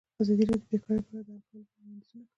ازادي راډیو د بیکاري په اړه د حل کولو لپاره وړاندیزونه کړي.